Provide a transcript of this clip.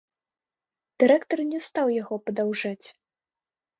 Дырэктар не стаў яго падаўжаць.